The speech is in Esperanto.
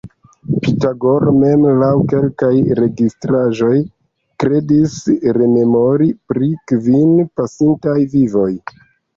Pitagoro mem, laŭ kelkaj registraĵoj, kredis rememori pri kvin pasintaj vivoj.